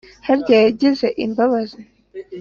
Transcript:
harya yagize imbabazi